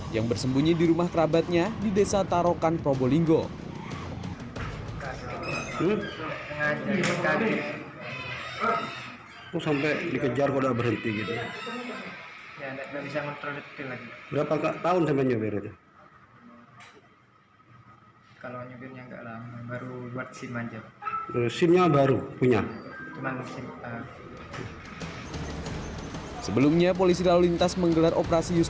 yang bersembunyi di rumah kerabatnya di desa tarokan probolinggo